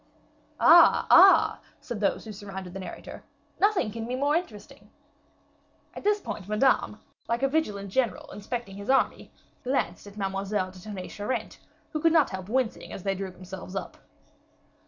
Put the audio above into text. "Ah, ah!" said those who surrounded the narrator. "Nothing can be more interesting." At this point, Madame, like a vigilant general inspecting his army, glanced at Mademoiselle de Tonnay Charente, who could not help wincing as they drew themselves up.